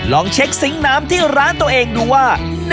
ลองเช็คซิงค์น้ำที่ร้านตัวเองดูว่า